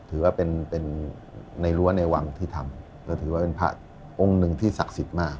ถือว่าเป็นในรั้วในวังที่ทำและถือว่าเป็นพระองค์หนึ่งที่ศักดิ์สิทธิ์มาก